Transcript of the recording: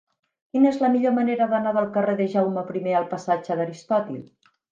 Quina és la millor manera d'anar del carrer de Jaume I al passatge d'Aristòtil?